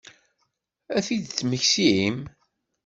Ad t-id-temmektim?